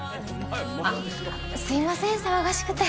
あっすいません騒がしくて。